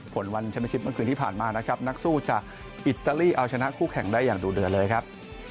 ผลวันชนะชิปเมื่อคืนที่ผ่านมานะครับนักสู้จากอิตาลีเอาชนะคู่แข่งได้อย่างดูเดือดเลยครับ